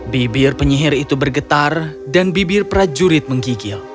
bibir penyihir itu bergetar dan bibir prajurit menggigil